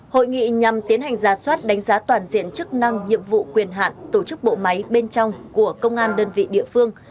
hội nghị nhằm tiến hành ra soát đánh giá toàn diện chức năng nhiệm vụ quyền hạn tổ chức bộ máy bên trong của công an đơn vị địa phương